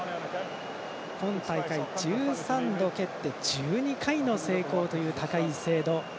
今大会１３度蹴って、１２回の成功という高い精度。